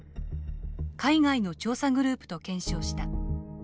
海外の調査グループと検証した。